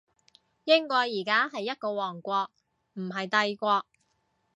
英國而家係一個王國，唔係帝國